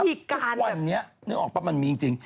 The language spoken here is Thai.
วันนี้นึกออกป่ะมันมีจริง